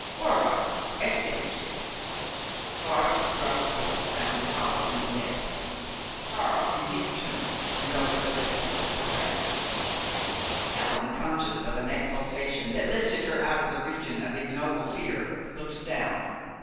"Vorwärtz es geht!" Barth's gruff voice sounded hollow from the depths. Karl, in his turn, went over the lip of the crevasse. Helen, conscious of an exaltation that lifted her out of the region of ignoble fear, looked down.